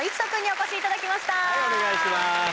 はいお願いします。